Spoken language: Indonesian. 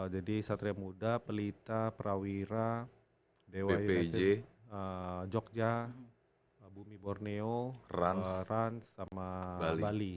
jadi satria muda pelita prawira d y y jogja bumi borneo ranz sama bali